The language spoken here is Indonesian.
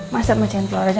masak mecahin telur aja